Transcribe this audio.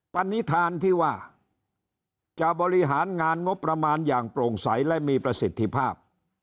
ปณิธานที่ว่าจะบริหารงานงบประมาณอย่างโปร่งใสและมีประสิทธิภาพ